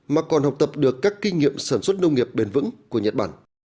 mà còn học tập được các kinh nghiệm sản xuất nông nghiệp bền vững của nhật bản